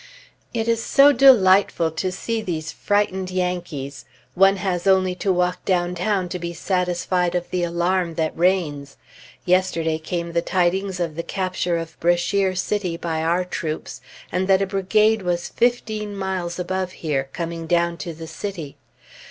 It is so delightful to see these frightened Yankees! One has only to walk downtown to be satisfied of the alarm that reigns. Yesterday came the tidings of the capture of Brashere City by our troops, and that a brigade was fifteen miles above here, coming down to the city.